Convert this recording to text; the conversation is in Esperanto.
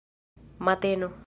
mateno